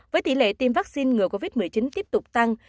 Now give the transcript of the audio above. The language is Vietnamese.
với tỷ lệ tiêm vaccine ngừa covid một mươi chín tiếp tục tăng